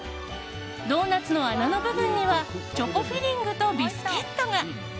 ドーナツの穴の部分にはチョコフィリングとビスケットが。